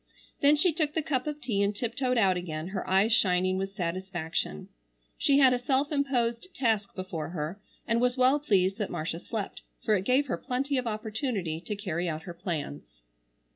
Then she took the cup of tea and tiptoed out again, her eyes shining with satisfaction. She had a self imposed task before her, and was well pleased that Marcia slept, for it gave her plenty of opportunity to carry out her plans.